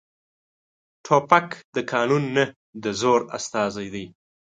توپک د قانون نه، د زور استازی دی.